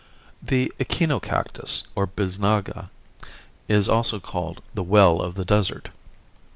The echinocactus, or bisnaga, is also called "The Well of the Desert."